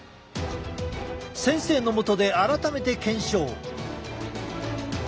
先生のもとで改めて検証！